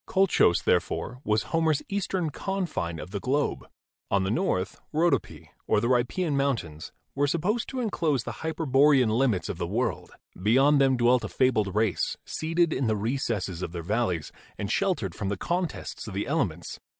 Colchos, therefore, was Homer's east ern confine of the globe. On the north Rhodope, or the Riphean Mountains, were 20 GEOLOGY supposed to enclose the hyperborean limits of the world. Beyond them dwelt a fabled race, seated in the recesses of their valleys and sheltered from the contests of the ele ments.